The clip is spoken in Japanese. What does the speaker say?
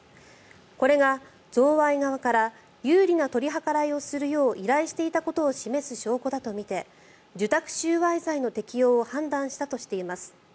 これが贈賄側から有利な取り計らいをするよう依頼することを示す証拠だと見て受託収賄罪の適用を判断したとしています。